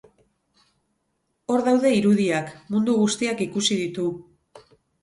Hor daude irudiak, mundu guztiak ikusi ditu.